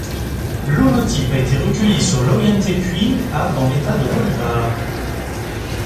L'holotype a été recueilli sur l'Auyan Tepuy à dans l'État de Bolívar.